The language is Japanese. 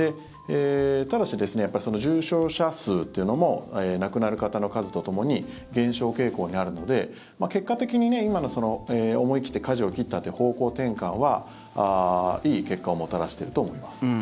ただし、重症者数というのも亡くなる方の数とともに減少傾向にあるので結果的に今の思い切ってかじを切ったという方向転換はいい結果をもたらしていると思います。